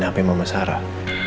handphone mama sarah